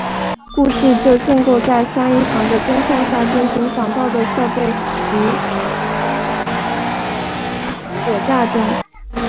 故事就建构在珊一边在监控下进行仿造的准备及和传承派政要的尔虞我诈中。